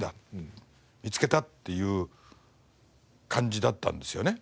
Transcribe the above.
「見つけた」っていう感じだったんですよね。